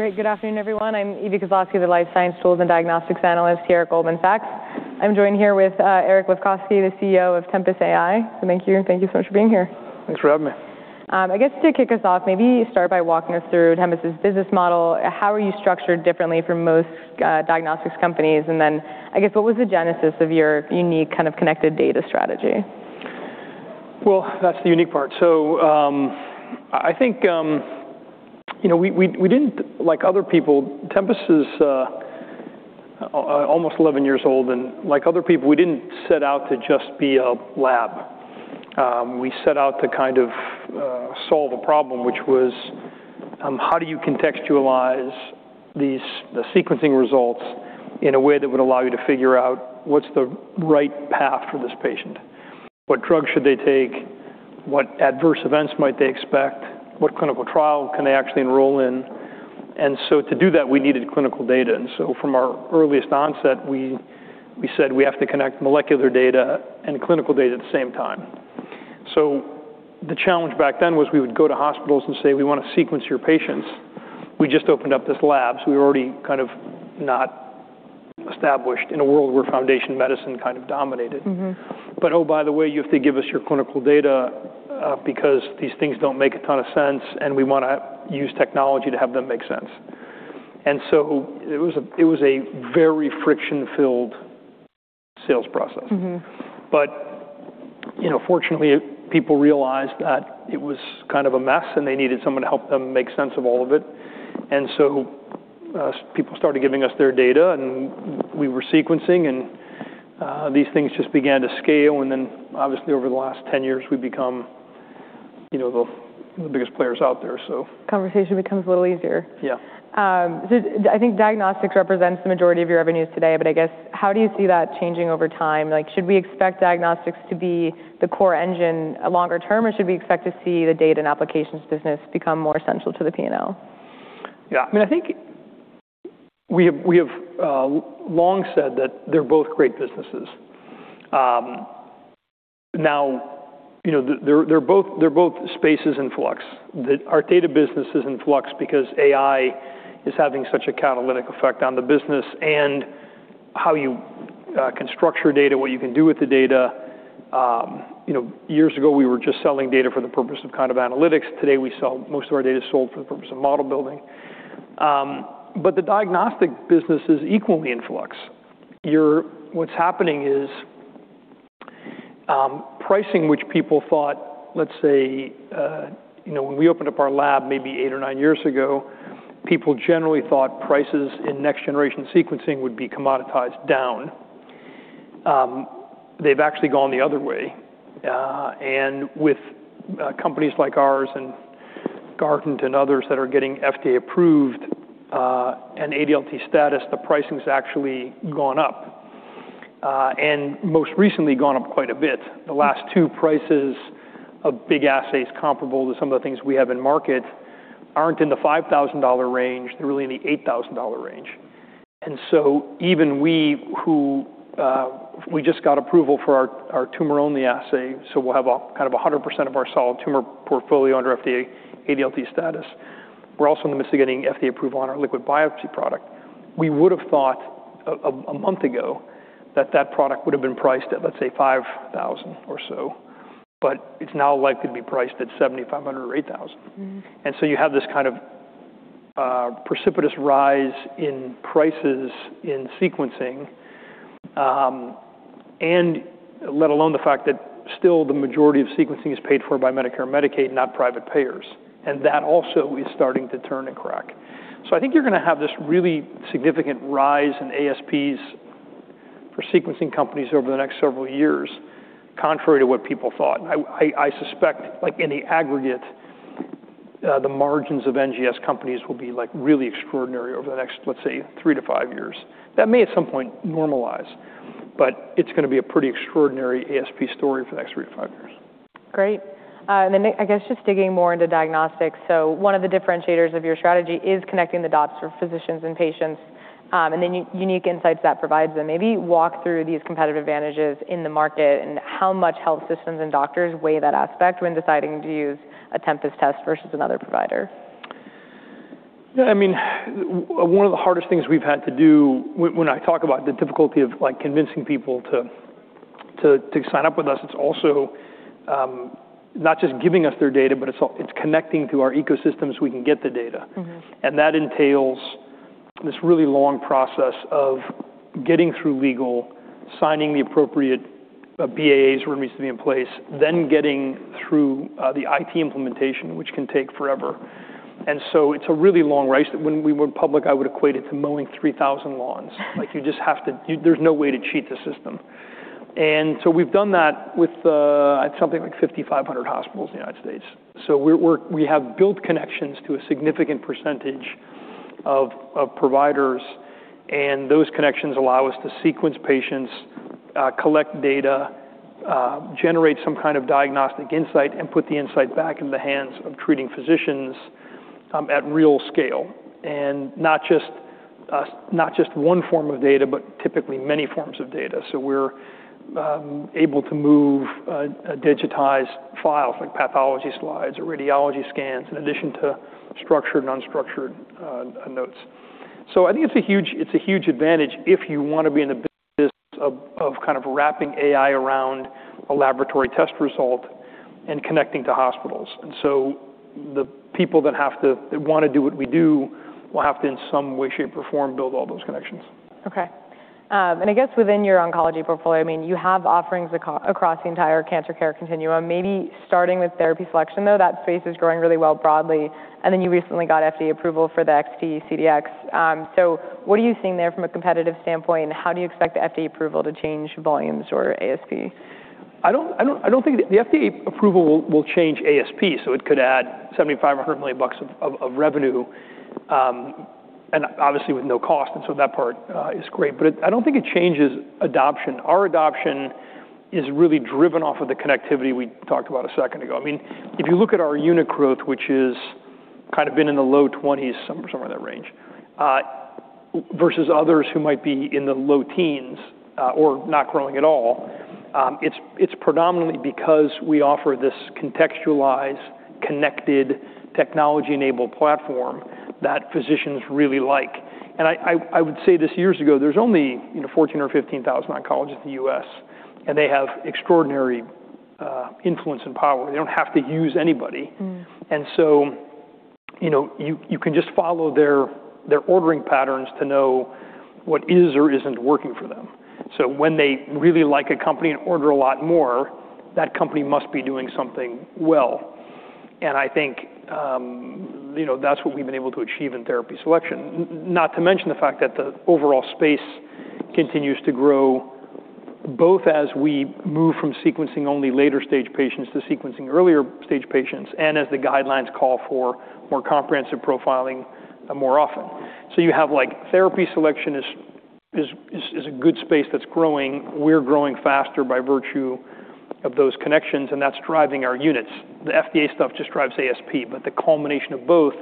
Great. Good afternoon, everyone. I'm Elizabeth Koslosky, the life science tools and diagnostics analyst here at Goldman Sachs. I'm joined here with Eric Lefkofsky, the CEO of Tempus AI. Thank you. Thank you so much for being here. Thanks for having me. I guess to kick us off, maybe start by walking us through Tempus' business model. How are you structured differently from most diagnostics companies? I guess, what was the genesis of your unique kind of connected data strategy? Well, that's the unique part. I think Tempus is almost 11 years old, and like other people, we didn't set out to just be a lab. We set out to kind of solve a problem, which was how do you contextualize the sequencing results in a way that would allow you to figure out what's the right path for this patient? What drug should they take? What adverse events might they expect? What clinical trial can they actually enroll in? To do that, we needed clinical data. From our earliest onset, we said we have to connect molecular data and clinical data at the same time. The challenge back then was we would go to hospitals and say, "We want to sequence your patients." We just opened up this lab, we were already kind of not established in a world where Foundation Medicine kind of dominated. Oh, by the way, you have to give us your clinical data because these things don't make a ton of sense, and we want to use technology to have them make sense. It was a very friction-filled sales process. Fortunately, people realized that it was kind of a mess, and they needed someone to help them make sense of all of it. People started giving us their data, and we were sequencing, and these things just began to scale. Obviously over the last 10 years, we've become one of the biggest players out there. Conversation becomes a little easier. Yeah. I think diagnostics represents the majority of your revenues today, but I guess, how do you see that changing over time? Should we expect diagnostics to be the core engine longer term, or should we expect to see the data and applications business become more central to the P&L? Yeah. I think we have long said that they're both great businesses. They're both spaces in flux. Our data business is in flux because AI is having such a catalytic effect on the business, and how you can structure data, what you can do with the data. Years ago, we were just selling data for the purpose of kind of analytics. Today, most of our data is sold for the purpose of model building. The diagnostic business is equally in flux. What's happening is pricing, which people thought, let's say when we opened up our lab maybe eight or nine years ago, people generally thought prices in next-generation sequencing would be commoditized down. They've actually gone the other way. With companies like ours and Guardant and others that are getting FDA approved and ADLT status, the pricing's actually gone up. Most recently gone up quite a bit. The last two prices of big assays comparable to some of the things we have in market aren't in the $5,000 range. They're really in the $8,000 range. Even we who just got approval for our tumor only assay, so we'll have kind of 100% of our solid tumor portfolio under FDA ADLT status. We're also in the midst of getting FDA approval on our liquid biopsy product. We would've thought a month ago that that product would've been priced at, let's say, $5,000 or so, but it's now likely to be priced at $7,500 or $8,000. You have this kind of precipitous rise in prices in sequencing, and let alone the fact that still the majority of sequencing is paid for by Medicare, Medicaid, not private payers. That also is starting to turn and crack. I think you're going to have this really significant rise in ASPs for sequencing companies over the next several years, contrary to what people thought. I suspect, like any aggregate, the margins of NGS companies will be really extraordinary over the next, let's say, three to five years. That may, at some point, normalize, but it's going to be a pretty extraordinary ASP story for the next three to five years. Great. Then, I guess, just digging more into diagnostics, one of the differentiators of your strategy is connecting the dots for physicians and patients, and the unique insights that provides them. Maybe walk through these competitive advantages in the market and how much health systems and doctors weigh that aspect when deciding to use a Tempus test versus another provider. One of the hardest things we've had to do when I talk about the difficulty of convincing people to sign up with us, it's also not just giving us their data, but it's connecting to our ecosystem so we can get the data. That entails this really long process of getting through legal, signing the appropriate, BAAs, or agreements to be in place, getting through the IT implementation, which can take forever. It's a really long race that when we went public, I would equate it to mowing 3,000 lawns. There's no way to cheat the system. We've done that with something like 5,500 hospitals in the U.S. We have built connections to a significant percentage of providers, and those connections allow us to sequence patients, collect data, generate some kind of diagnostic insight, and put the insight back in the hands of treating physicians at real scale. Not just one form of data, but typically many forms of data. We're able to move a digitized file, like pathology slides or radiology scans, in addition to structured and unstructured notes. I think it's a huge advantage if you want to be in the business of wrapping AI around a laboratory test result and connecting to hospitals. The people that want to do what we do will have to, in some way, shape, or form, build all those connections. I guess within your oncology portfolio, you have offerings across the entire cancer care continuum, maybe starting with therapy selection, though, that space is growing really well broadly. You recently got FDA approval for the xT CDx. What are you seeing there from a competitive standpoint, and how do you expect the FDA approval to change volumes or ASP? I don't think the FDA approval will change ASP, it could add $75 million or $100 million of revenue, obviously with no cost, that part is great. I don't think it changes adoption. Our adoption is really driven off of the connectivity we talked about a second ago. If you look at our unit growth, which has been in the low 20s, somewhere in that range, versus others who might be in the low teens, or not growing at all, it's predominantly because we offer this contextualized, connected, technology-enabled platform that physicians really like. I would say this, years ago, there are only 14,000 or 15,000 oncologists in the U.S., they have extraordinary influence and power. They don't have to use anybody. You can just follow their ordering patterns to know what is or isn't working for them. When they really like a company and order a lot more, that company must be doing something well. I think that's what we've been able to achieve in therapy selection. Not to mention the fact that the overall space continues to grow, both as we move from sequencing only later stage patients to sequencing earlier stage patients, and as the guidelines call for more comprehensive profiling more often. You have therapy selection is a good space that's growing. We're growing faster by virtue of those connections, and that's driving our units. The FDA stuff just drives ASP, the culmination of both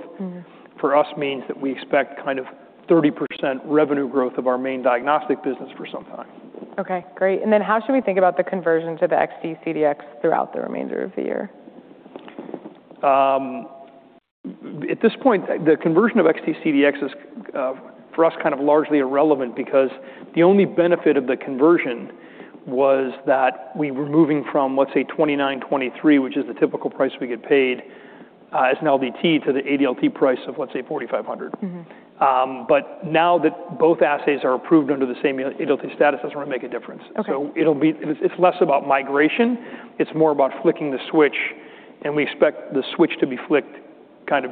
for us means that we expect 30% revenue growth of our main diagnostic business for some time. Okay, great. How should we think about the conversion to the xT CDx throughout the remainder of the year? At this point, the conversion of xT CDx is, for us, largely irrelevant because the only benefit of the conversion was that we were moving from, let's say, $2,923, which is the typical price we get paid as an LDT to the ADLT price of, let's say, $4,500. Now that both assays are approved under the same ADLT status, doesn't really make a difference. Okay. It's less about migration, it's more about flicking the switch, and we expect the switch to be Fflicked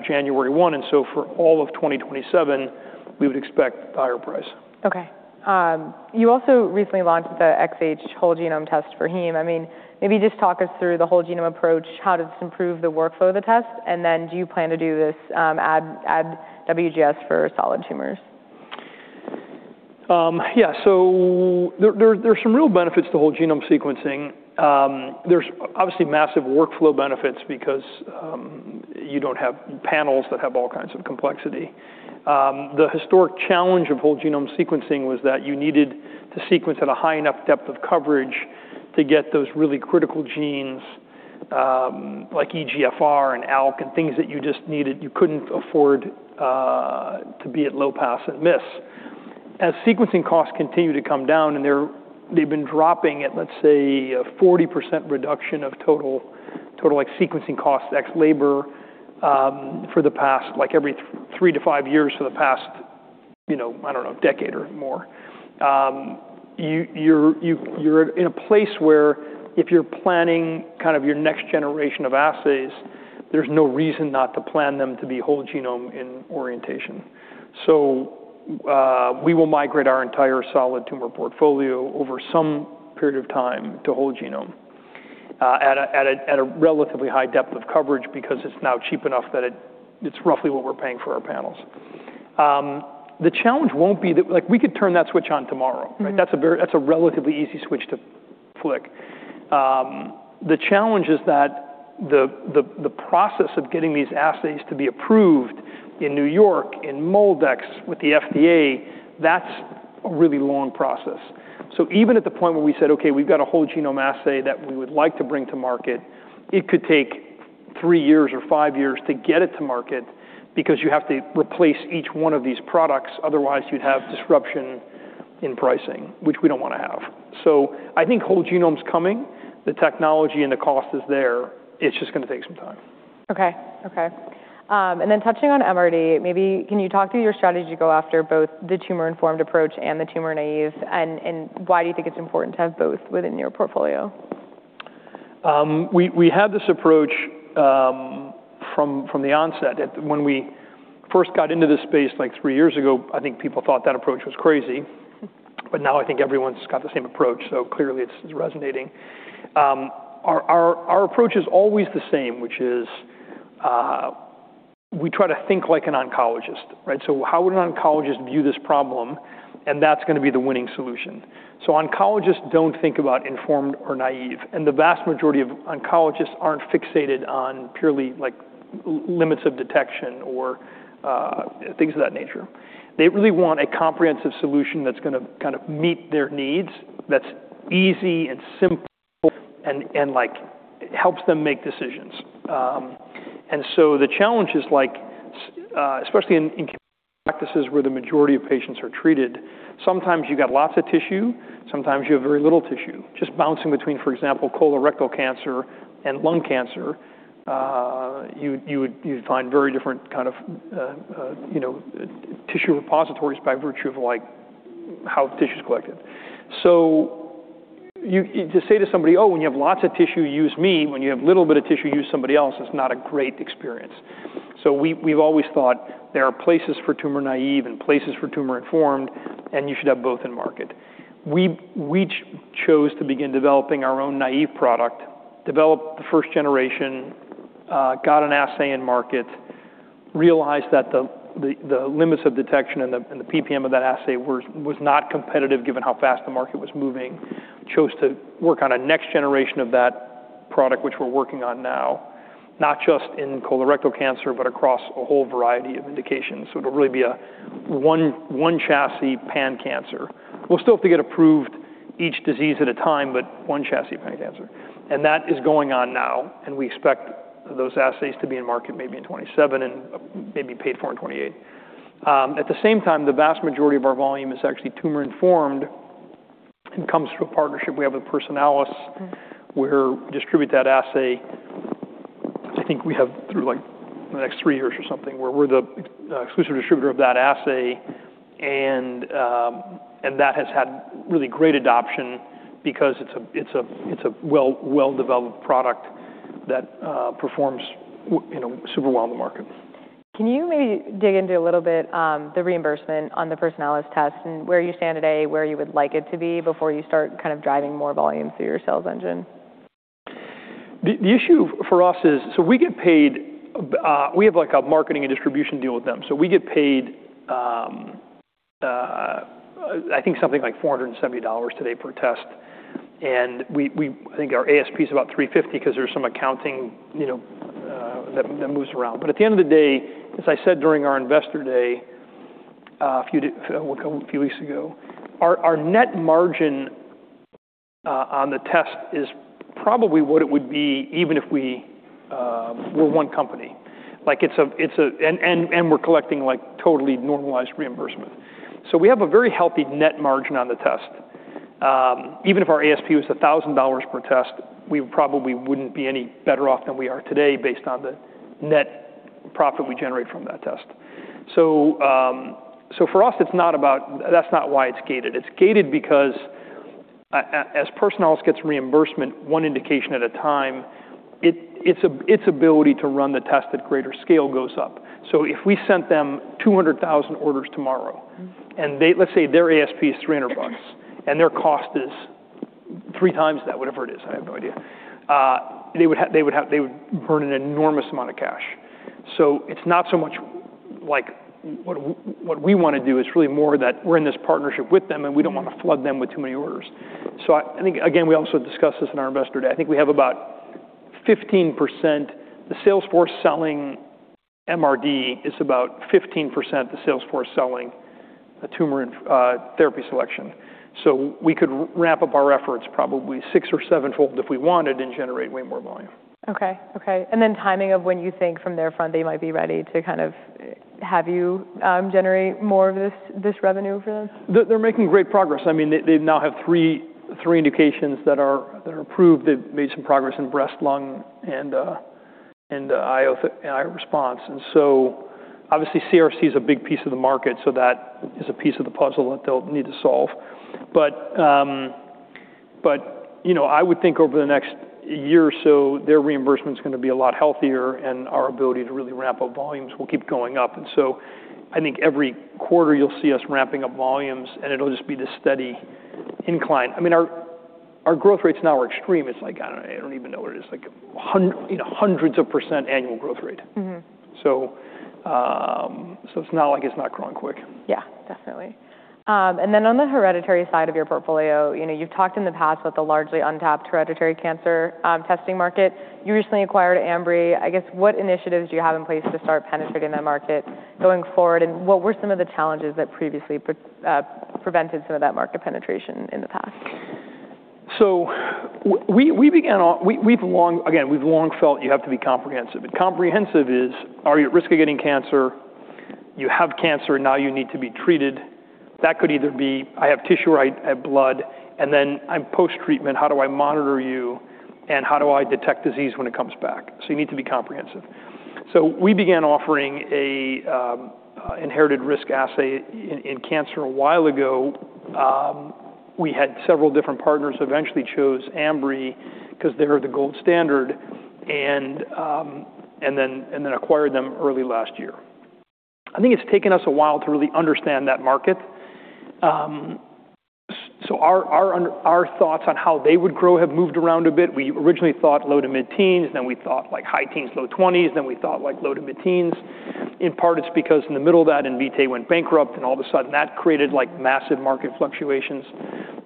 January 1. For all of 2027, we would expect the higher price. Okay. You also recently launched the xH whole genome test for heme. Maybe just talk us through the whole genome approach. How does this improve the workflow of the test? Then do you plan to do this, add WGS for solid tumors? Yeah. There's some real benefits to whole genome sequencing. There's obviously massive workflow benefits because you don't have panels that have all kinds of complexity. The historic challenge of whole genome sequencing was that you needed to sequence at a high enough depth of coverage to get those really critical genes, like EGFR and ALK and things that you just needed. You couldn't afford to be at low pass and miss. As sequencing costs continue to come down, and they've been dropping at, let's say, a 40% reduction of total sequencing cost, ex labor, every 3-5 years for the past, I don't know, decade or more. You're in a place where if you're planning your next generation of assays, there's no reason not to plan them to be whole genome in orientation. We will migrate our entire solid tumor portfolio over some period of time to whole genome at a relatively high depth of coverage because it's now cheap enough that it's roughly what we're paying for our panels. We could turn that switch on tomorrow. That's a relatively easy switch to flick. The challenge is that the process of getting these assays to be approved in New York, in MolDx with the FDA, that's a really long process. Even at the point where we said, "Okay, we've got a whole genome assay that we would like to bring to market," it could take 3-5 years to get it to market because you have to replace each one of these products, otherwise you'd have disruption in pricing, which we don't want to have. I think whole genome's coming. The technology and the cost is there. It's just going to take some time. Okay. Then touching on MRD, maybe can you talk through your strategy to go after both the tumor-informed approach and the tumor-naive, and why do you think it's important to have both within your portfolio? We had this approach from the onset. When we first got into this space three years ago, I think people thought that approach was crazy. Now I think everyone's got the same approach, clearly it's resonating. Our approach is always the same, which is we try to think like an oncologist, right? How would an oncologist view this problem? That's going to be the winning solution. Oncologists don't think about informed or naive, and the vast majority of oncologists aren't fixated on purely limits of detection or things of that nature. They really want a comprehensive solution that's going to meet their needs, that's easy and simple, and helps them make decisions. The challenge is, especially in community practices where the majority of patients are treated, sometimes you've got lots of tissue, sometimes you have very little tissue. Just bouncing between, for example, colorectal cancer and lung cancer, you'd find very different kind of tissue repositories by virtue of how the tissue's collected. To say to somebody, "Oh, when you have lots of tissue, use me. When you have a little bit of tissue, use somebody else," is not a great experience. We've always thought there are places for tumor-naive and places for tumor-informed, and you should have both in market. We chose to begin developing our own naive product, developed the first generation, got an assay in market, realized that the limits of detection and the PPM of that assay was not competitive given how fast the market was moving. Chose to work on a next generation of that product, which we're working on now, not just in colorectal cancer, but across a whole variety of indications. It'll really be a one chassis pan-cancer. We'll still have to get approved each disease at a time, but one chassis pan-cancer. That is going on now, and we expect those assays to be in market maybe in 2027 and maybe paid for in 2028. At the same time, the vast majority of our volume is actually tumor-informed and comes through a partnership we have with Personalis, where distribute that assay. I think we have through the next three years or something, we're the exclusive distributor of that assay. That has had really great adoption because it's a well-developed product that performs super well in the market. Can you maybe dig into a little bit the reimbursement on the Personalis test and where you stand today, where you would like it to be before you start driving more volume through your sales engine? The issue for us is, we have a marketing and distribution deal with them. We get paid, I think something like $470 today per test. I think our ASP is about $350 because there's some accounting that moves around. At the end of the day, as I said during our investor day a few weeks ago, our net margin on the test is probably what it would be even if we were one company, and we're collecting totally normalized reimbursement. We have a very healthy net margin on the test. Even if our ASP was $1,000 per test, we probably wouldn't be any better off than we are today based on the net profit we generate from that test. For us, that's not why it's gated. It's gated because as Personalis gets reimbursement one indication at a time, its ability to run the test at greater scale goes up. If we sent them 200,000 orders tomorrow, and let's say their ASP is $300 and their cost is three times that, whatever it is, I have no idea, they would burn an enormous amount of cash. It's not so much like what we want to do, it's really more that we're in this partnership with them, and we don't want to flood them with too many orders. I think, again, we also discussed this in our investor day. I think we have about 15%. The sales force selling MRD is about 15% the sales force selling a tumor therapy selection. We could ramp up our efforts probably six or sevenfold if we wanted and generate way more volume. Okay. Then timing of when you think from their front they might be ready to have you generate more of this revenue for them? They're making great progress. They now have 3 indications that are approved. They've made some progress in breast, lung, and Immuno-Oncology response. Obviously CRC is a big piece of the market, so that is a piece of the puzzle that they'll need to solve. I would think over the next year or so, their reimbursement's going to be a lot healthier and our ability to really ramp up volumes will keep going up. I think every quarter you'll see us ramping up volumes, and it'll just be this steady incline. Our growth rates now are extreme. I don't even know what it is, like hundreds of % annual growth rate. It's not like it's not growing quick. Yeah, definitely. On the hereditary side of your portfolio, you've talked in the past about the largely untapped hereditary cancer testing market. You recently acquired Ambry. I guess, what initiatives do you have in place to start penetrating that market going forward, and what were some of the challenges that previously prevented some of that market penetration in the past? Again, we've long felt you have to be comprehensive, and comprehensive is, are you at risk of getting cancer? You have cancer, now you need to be treated. That could either be, I have tissue, I have blood, and then I'm post-treatment, how do I monitor you and how do I detect disease when it comes back? You need to be comprehensive. We began offering an inherited risk assay in cancer a while ago. We had several different partners, eventually chose Ambry because they're the gold standard, and then acquired them early last year. I think it's taken us a while to really understand that market. Our thoughts on how they would grow have moved around a bit. We originally thought low to mid-teens, then we thought high teens, low 20s, then we thought low to mid-teens. In part, it's because in the middle of that, Invitae went bankrupt, and all of a sudden that created massive market fluctuations.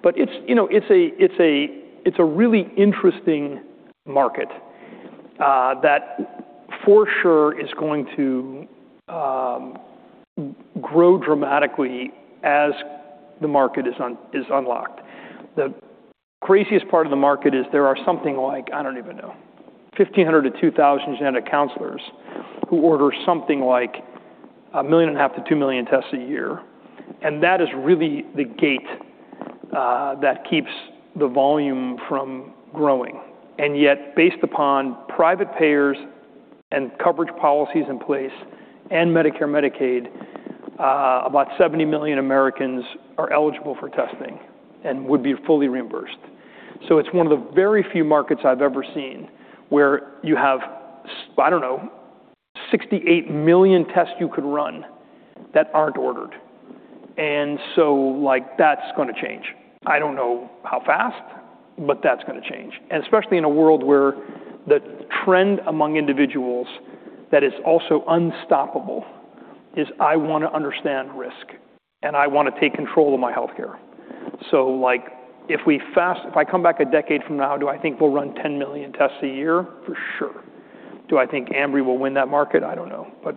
It's a really interesting market that for sure is going to grow dramatically as the market is unlocked. The craziest part of the market is there are something like, I don't even know, 1,500 to 2,000 genetic counselors who order something like 1.5 million to 2 million tests a year. That is really the gate that keeps the volume from growing. Yet, based upon private payers and coverage policies in place, and Medicare/Medicaid, about 70 million Americans are eligible for testing and would be fully reimbursed. It's one of the very few markets I've ever seen where you have, I don't know, 68 million tests you could run that aren't ordered. That's going to change. I don't know how fast, that's going to change. Especially in a world where the trend among individuals that is also unstoppable is, "I want to understand risk, I want to take control of my healthcare." If I come back a decade from now, do I think we'll run 10 million tests a year? For sure. Do I think Ambry will win that market? I don't know, but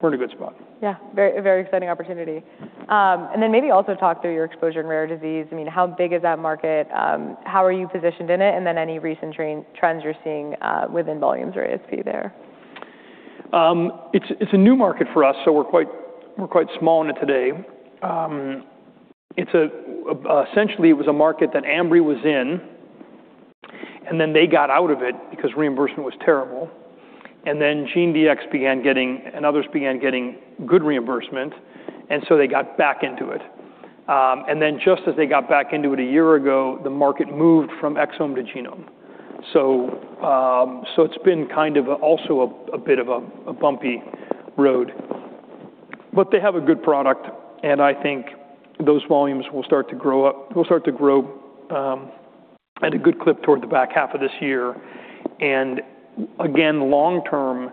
we're in a good spot. Yeah. A very exciting opportunity. Then maybe also talk through your exposure in rare disease. How big is that market? How are you positioned in it? Then any recent trends you're seeing within volumes or ASP there. It's a new market for us, so we're quite small in it today. Essentially, it was a market that Ambry was in, then they got out of it because reimbursement was terrible. Then GeneDx began getting, and others began getting good reimbursement, so they got back into it. Then just as they got back into it a year ago, the market moved from exome to genome. It's been kind of also a bit of a bumpy road. But they have a good product, and I think those volumes will start to grow at a good clip toward the back half of this year. Again, long term,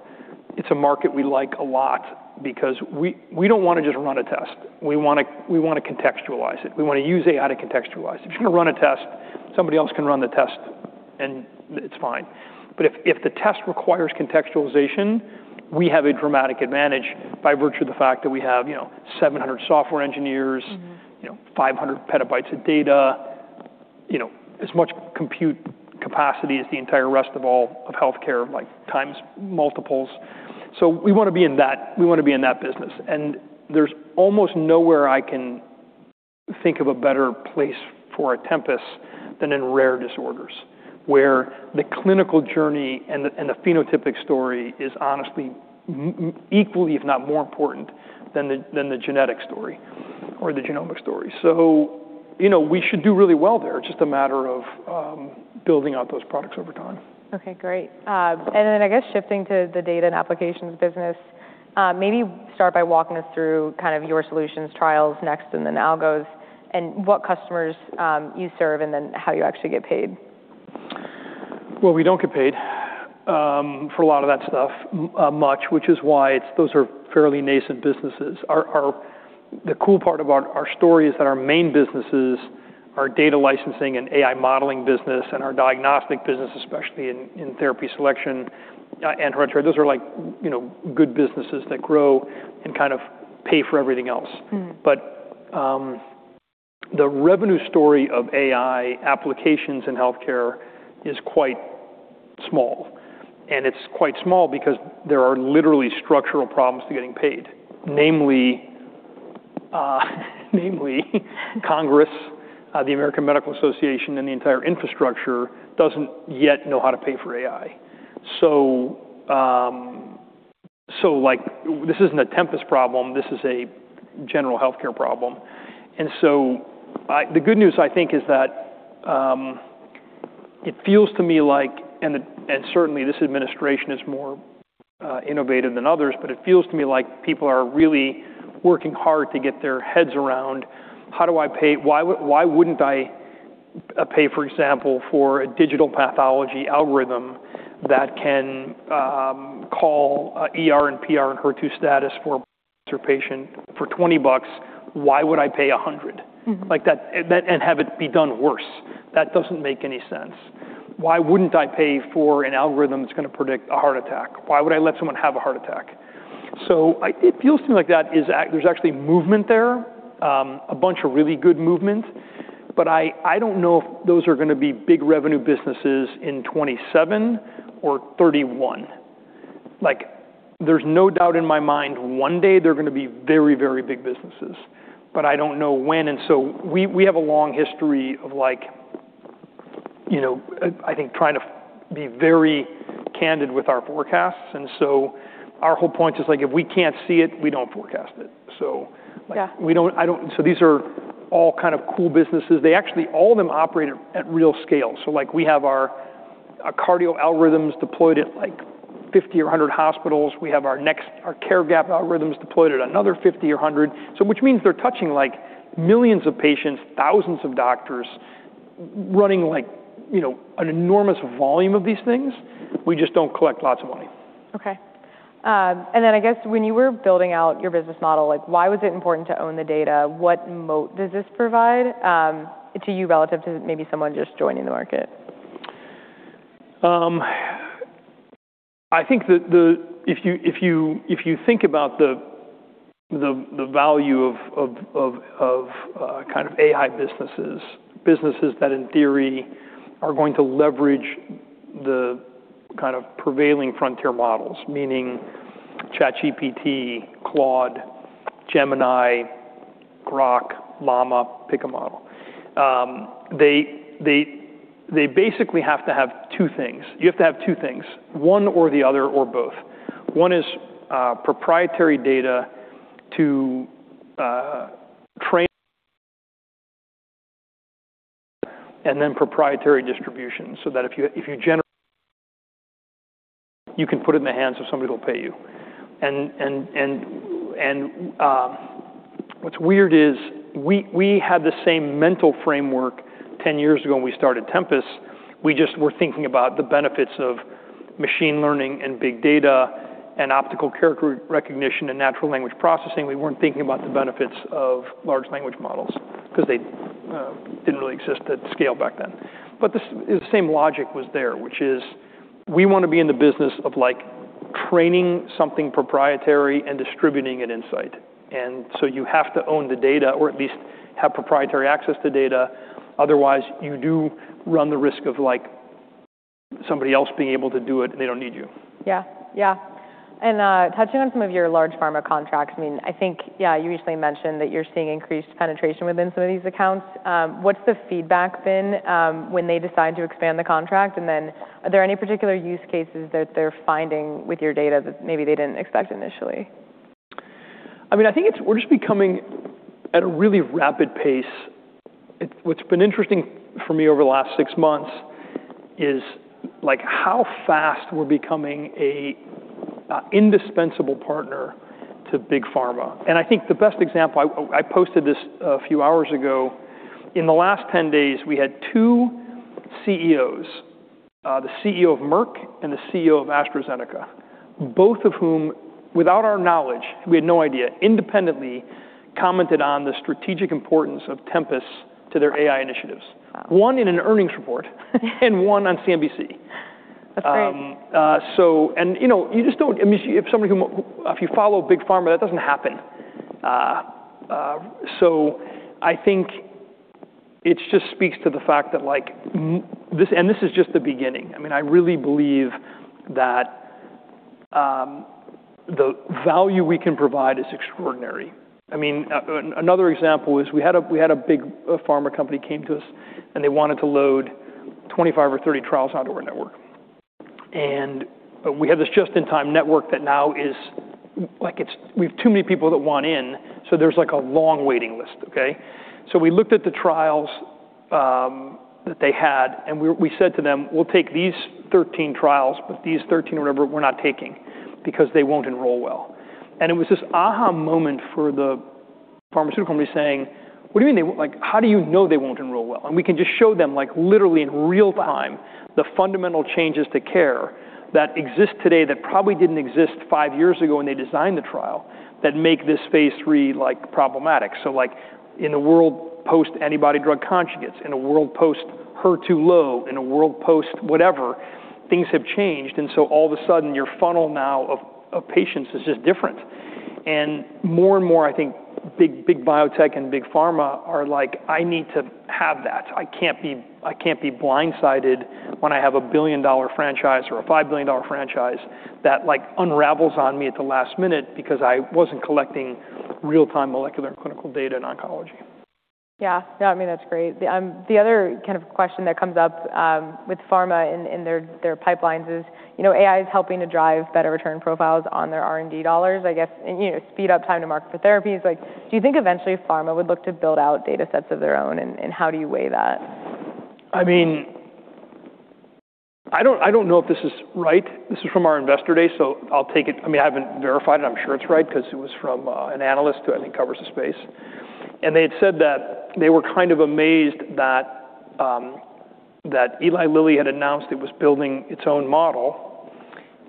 it's a market we like a lot because we don't want to just run a test. We want to contextualize it. We want to use AI to contextualize it. If you're going to run a test, somebody else can run the test, and it's fine. If the test requires contextualization, we have a dramatic advantage by virtue of the fact that we have 700 software engineers. 500 PB of data, as much compute capacity as the entire rest of all of healthcare, like times multiples. We want to be in that business. There's almost nowhere I can think of a better place for a Tempus than in rare disorders, where the clinical journey and the phenotypic story is honestly equally, if not more important, than the genetic story or the genomic story. We should do really well there. It's just a matter of building out those products over time. Okay, great. I guess shifting to the data and applications business, maybe start by walking us through your solutions, trials, next and then algos, and what customers you serve, how you actually get paid. Well, we don't get paid for a lot of that stuff much, which is why those are fairly nascent businesses. The cool part of our story is that our main businesses are data licensing and AI modeling business, and our diagnostic business, especially in therapy selection and hereditary. Those are good businesses that grow and kind of pay for everything else. The revenue story of AI applications in healthcare is quite small, and it's quite small because there are literally structural problems to getting paid. Namely Congress, the American Medical Association, and the entire infrastructure doesn't yet know how to pay for AI. This isn't a Tempus problem. This is a general healthcare problem. The good news, I think, is that it feels to me like-- And certainly this administration is more innovative than others, but it feels to me like people are really working hard to get their heads around why wouldn't I pay, for example, for a digital pathology algorithm that can call ER and PR and HER2 status for a patient for $20? Why would I pay $100 and have it be done worse? That doesn't make any sense. Why wouldn't I pay for an algorithm that's going to predict a heart attack? Why would I let someone have a heart attack? It feels to me like there's actually movement there, a bunch of really good movement, but I don't know if those are going to be big revenue businesses in 2027 or 2031. There's no doubt in my mind one day they're going to be very, very big businesses, but I don't know when. We have a long history of, I think, trying to be very candid with our forecasts. Our whole point is if we can't see it, we don't forecast it. Yeah These are all kind of cool businesses. Actually, all of them operate at real scale. We have our cardio algorithms deployed at 50 or 100 hospitals. We have our care gap algorithms deployed at another 50 or 100. Which means they're touching millions of patients, thousands of doctors, running an enormous volume of these things, we just don't collect lots of money. Okay. I guess when you were building out your business model, why was it important to own the data? What moat does this provide to you relative to maybe someone just joining the market? I think that if you think about the value of kind of AI businesses that in theory are going to leverage the prevailing frontier models, meaning ChatGPT, Claude, Gemini, Grok, Llama, pick a model. They basically have to have two things. You have to have two things, one or the other, or both. One is proprietary data to train, then proprietary distribution, so that if you generate, you can put it in the hands of somebody that'll pay you. What's weird is we had the same mental framework 10 years ago when we started Tempus. We just were thinking about the benefits of machine learning and big data and optical character recognition and natural language processing. We weren't thinking about the benefits of large language models because they didn't really exist at scale back then. The same logic was there, which is we want to be in the business of training something proprietary and distributing an insight. So you have to own the data or at least have proprietary access to data, otherwise you do run the risk of somebody else being able to do it, and they don't need you. Yeah. Touching on some of your large pharma contracts, I think, yeah, you recently mentioned that you're seeing increased penetration within some of these accounts. What's the feedback been when they decide to expand the contract? Are there any particular use cases that they're finding with your data that maybe they didn't expect initially? I think we're just becoming at a really rapid pace. What's been interesting for me over the last six months is how fast we're becoming an indispensable partner to big pharma. I think the best example, I posted this a few hours ago. In the last 10 days, we had two CEOs, the CEO of Merck and the CEO of AstraZeneca, both of whom, without our knowledge, we had no idea, independently commented on the strategic importance of Tempus to their AI initiatives. Wow. One in an earnings report and one on CNBC. That's great. If you follow big pharma, that doesn't happen. I think it just speaks to the fact that. This is just the beginning. I really believe that the value we can provide is extraordinary. Another example is we had a big pharma company came to us, and they wanted to load 25 or 30 trials onto our network. We have this just-in-time network. We've too many people that want in, there's a long waiting list, okay? We looked at the trials that they had, and we said to them, "We'll take these 13 trials, but these 13, remember, we're not taking because they won't enroll well." It was this aha moment for the pharmaceutical company saying, "What do you mean? How do you know they won't enroll well?" We can just show them literally in real-time the fundamental changes to care that exist today that probably didn't exist five years ago when they designed the trial that make this phase III problematic. In a world post-antibody-drug conjugates, in a world post-HER2-low, in a world post-whatever, things have changed, all of a sudden your funnel now of patients is just different. More and more, I think big biotech and big pharma are like, "I need to have that. I can't be blindsided when I have a billion-dollar franchise or a $5 billion franchise that unravels on me at the last minute because I wasn't collecting real-time molecular and clinical data in oncology. Yeah. That's great. The other kind of question that comes up with pharma in their pipelines is AI is helping to drive better return profiles on their R&D dollars, I guess, and speed up time to market for therapies. Do you think eventually pharma would look to build out data sets of their own, and how do you weigh that? I don't know if this is right. This is from our investor day, so I'll take it. I haven't verified it. I'm sure it's right because it was from an analyst who I think covers the space. They had said that they were kind of amazed that Eli Lilly had announced it was building its own model,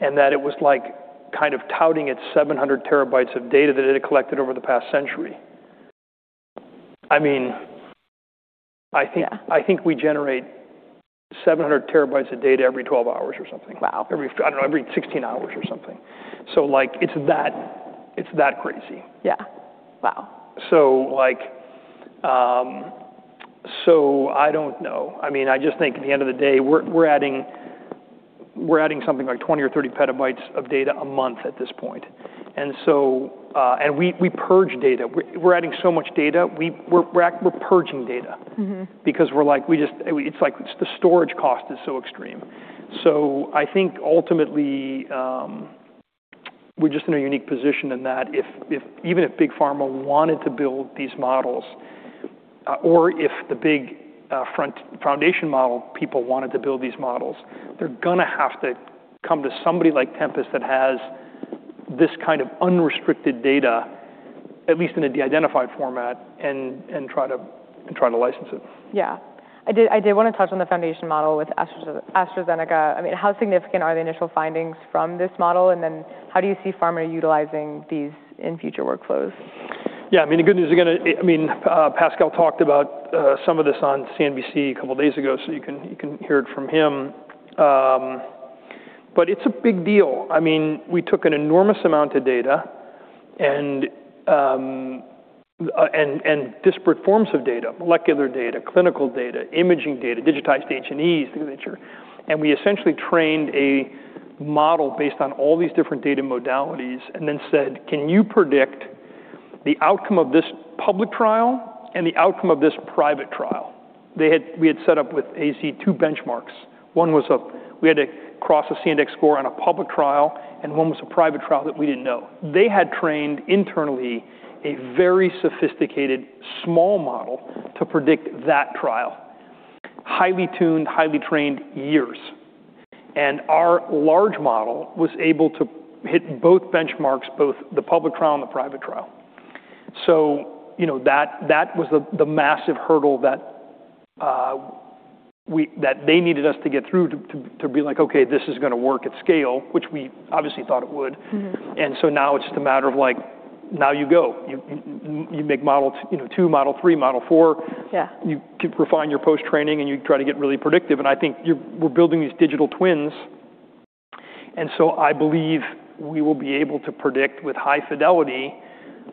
and that it was kind of touting its 700 TB of data that it had collected over the past century. Yeah. I think we generate 700 TB of data every 12 hours or something. Wow. Every, I don't know, every 16 hours or something. It's that crazy. Yeah. Wow. I don't know. I just think at the end of the day, we're adding something like 20 PB or 30 PB of data a month at this point. We purge data. We're adding so much data, we're purging data because the storage cost is so extreme. I think ultimately, we're just in a unique position in that even if big pharma wanted to build these models or if the big foundation model people wanted to build these models, they're going to have to come to somebody like Tempus that has this kind of unrestricted data, at least in a de-identified format, and try to license it. Yeah. I did want to touch on the foundation model with AstraZeneca. How significant are the initial findings from this model, how do you see pharma utilizing these in future workflows? Yeah. The good news, again, Pascal talked about some of this on CNBC a couple of days ago, you can hear it from him. It's a big deal. We took an enormous amount of data and disparate forms of data, molecular data, clinical data, imaging data, digitized H&Es, et cetera, we essentially trained a model based on all these different data modalities and then said, "Can you predict the outcome of this public trial and the outcome of this private trial?" We had set up with AZ two benchmarks. One was we had to cross a C-index score on a public trial, and one was a private trial that we didn't know. They had trained internally a very sophisticated small model to predict that trial. Highly tuned, highly trained, years. Our large model was able to hit both benchmarks, both the public trial and the private trial. That was the massive hurdle that they needed us to get through to be like, "Okay, this is going to work at scale," which we obviously thought it would. Now it's just a matter of now you go. You make model two, model three, model four. Yeah. You refine your post-training, you try to get really predictive, I think we're building these digital twins, I believe we will be able to predict with high fidelity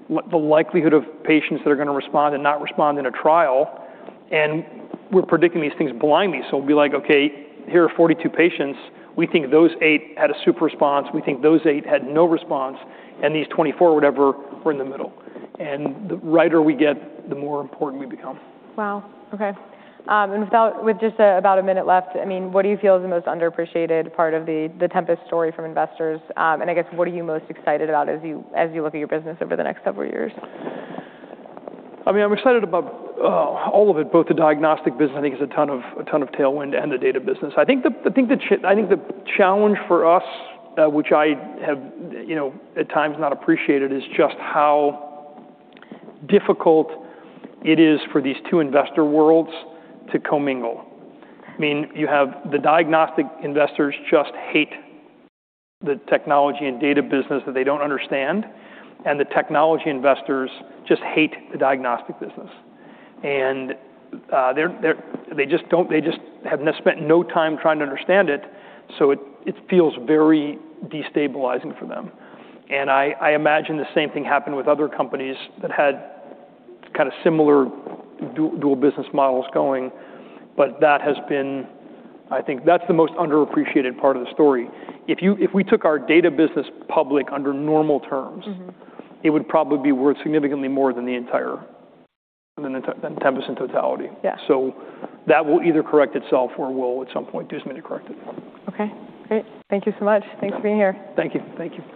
the likelihood of patients that are going to respond and not respond in a trial. We're predicting these things blindly, it'll be like, okay, here are 42 patients. We think those eight had a super response, we think those eight had no response, and these 24, whatever, were in the middle. The righter we get, the more important we become. Wow. Okay. With just about a minute left, what do you feel is the most underappreciated part of the Tempus story from investors? I guess, what are you most excited about as you look at your business over the next couple of years? I'm excited about all of it, both the diagnostic business, I think, is a ton of tailwind, and the data business. I think the challenge for us, which I have at times not appreciated, is just how difficult it is for these two investor worlds to commingle. You have the diagnostic investors just hate the technology and data business that they don't understand, and the technology investors just hate the diagnostic business. They just have spent no time trying to understand it, so it feels very destabilizing for them. I imagine the same thing happened with other companies that had kind of similar dual business models going, but that has been. I think that's the most underappreciated part of the story. If we took our data business public under normal terms- it would probably be worth significantly more than Tempus in totality. Yeah. That will either correct itself, or we'll at some point just need to correct it. Okay, great. Thank you so much. Thanks for being here. Thank you.